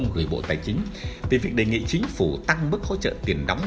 gửi bộ tài chính về việc đề nghị chính phủ tăng mức hỗ trợ tiền đóng